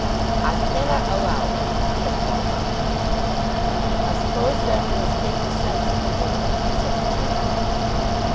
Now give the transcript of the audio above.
"I cannot allow that," said Paul Montague. "I suppose then we must take the sense of the Board," said the Chairman.